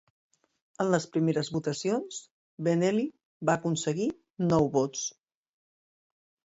En les primeres votacions, Benelli va aconseguir nou vots.